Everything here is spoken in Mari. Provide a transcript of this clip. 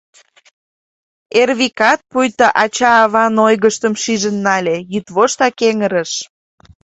Эрвикат пуйто ача-аван ойгыштым шижын нале, йӱдвоштак эҥырыш.